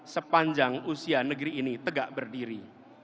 sepanjang usia negeri ini tegak berdiri